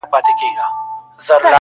شنه به له خندا سي وايي بله ورځ -